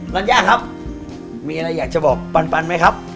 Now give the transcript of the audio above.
ัญญาครับมีอะไรอยากจะบอกปันไหมครับ